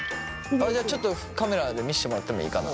あっじゃあちょっとカメラで見せてもらってもいいかな？